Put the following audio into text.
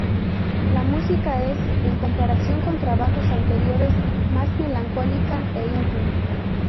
La música es, en comparación con trabajos anteriores, más melancólica e íntima.